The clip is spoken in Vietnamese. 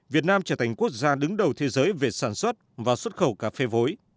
việt nam trở thành quốc gia đứng đầu thế giới về sản xuất và xuất khẩu cà phê vối